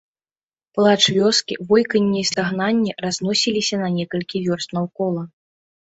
Плач вёскі, войканне і стагнанне разносіліся на некалькі вёрст наўкола.